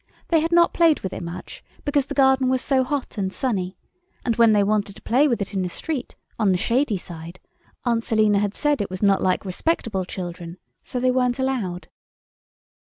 They had not played with it much, because the garden was so hot and sunny—and when they wanted to play with it in the street, on the shady side, Aunt Selina had said it was not like respectable children, so they weren't allowed.